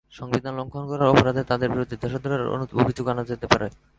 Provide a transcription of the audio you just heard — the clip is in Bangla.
সংবিধান লঙ্ঘন করার অপরাধে তাঁদের বিরুদ্ধে দেশদ্রোহের অভিযোগ আনা যেতে পারে।